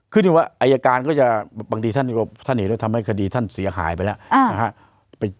คือถึงว่าอายการก็จะบางทีท่านเห็นว่าท่านทำให้คดีท่านเสียหายไปแล้ว